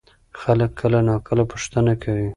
خلک کله ناکله پوښتنه کوي.